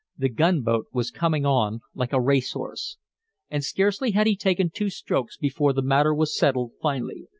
The gunboat was coming on like a race horse. And scarcely had he taken two strokes before the matter was settled finally.